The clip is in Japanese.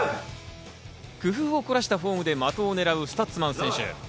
工夫を凝らしたフォームで的を狙うスタッツマン選手。